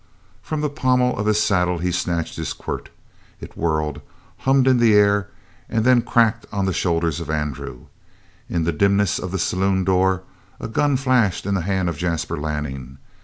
From the pommel of his saddle he snatched his quirt. It whirled, hummed in the air, and then cracked on the shoulders of Andrew. In the dimness of the saloon door a gun flashed in the hand of Jasper Lanning.